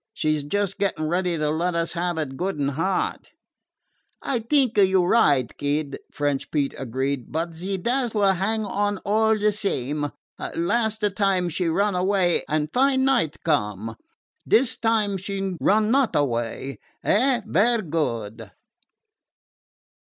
She 's just gettin' ready to let us have it good an' hard." "I t'ink you 're right, Kid," French Pete agreed; "but ze Dazzler hang on all ze same. Last a time she run away, an' fine night come. Dis time she run not away. Eh? Vaire good."